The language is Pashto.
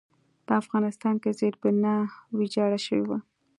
په افغانستان کې زېربنا ویجاړه شوې وه.